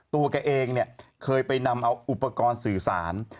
ตัวแกเองเนี่ยเคยไปนำเอาอุปกรณ์สื่อสาร